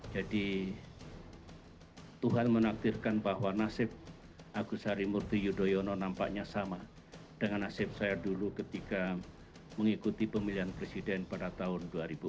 jadi tuhan menaktifkan bahwa nasib agus sari murti yudhoyono nampaknya sama dengan nasib saya dulu ketika mengikuti pemilihan presiden pada tahun dua ribu empat